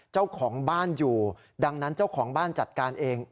เจ้าของบ้านอยู่ดังนั้นเจ้าของบ้านจัดการเอง